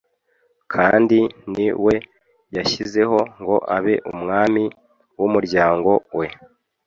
kandi ni we yashyizeho ngo abe umwami w'umuryango we